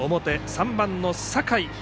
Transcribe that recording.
３番の酒井。